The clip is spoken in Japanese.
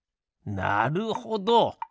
なるほど！